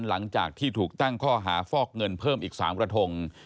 หลังจากที่ถูกตั้งข้อหาฟอกเงินเพิ่มอีก๓กระทง